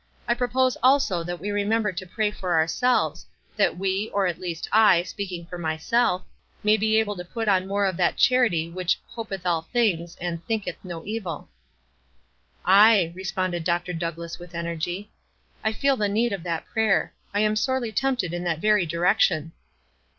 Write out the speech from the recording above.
"I propose also that we remember to pray for ourselves, that we, or at least I, speaking for myself, may be able to put on more of that charity which 'hopeth all things' and 'thinketh no evil.'" "Aye," responded Dr. Douglass, with energy. "I feel the need of that prayer. I am sorely tempted in that very direction."